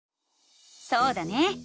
そうだね！